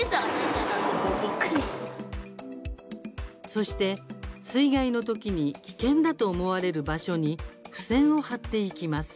そして、水害のときに危険だと思われる場所に付箋を貼っていきます。